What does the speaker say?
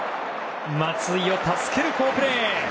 松井を助ける好プレー。